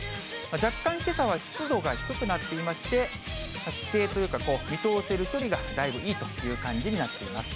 若干けさは湿度が低くなっていまして、視程というか、見通せる距離がだいぶいいという感じになっています。